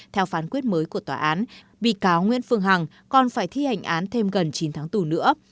theo phán quyết mới của tòa án bị cáo nguyễn phương hằng còn phải thi hành án thêm gần chín tháng tù nữa